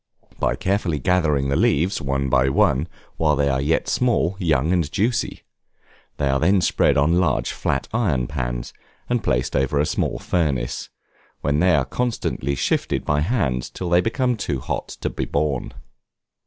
By carefully gathering the leaves, one by one, while they are yet small, young, and juicy. They are then spread on large flat iron pans, and placed over small furnaces, when they are constantly shifted by the hand till they become too hot to be borne.